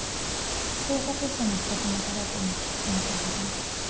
政策秘書の資格も取ろうと思って勉強始めた。